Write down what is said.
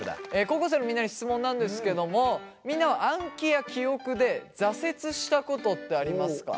高校生のみんなに質問なんですけどもみんなは暗記や記憶で挫折したことってありますか？